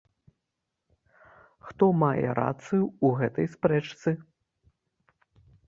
Хто мае рацыю ў гэтай спрэчцы?